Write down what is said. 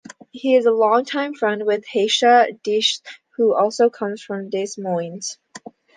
He is a long-time friend with Haysha Deitsch, who also comes from Des Moines.